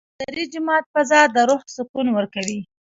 د خضري جومات فضا د روح سکون ورکوي.